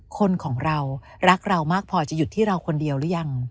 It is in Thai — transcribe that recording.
คนของเรารักเรามากพอจะหยุดที่เราคนเดียวหรือยัง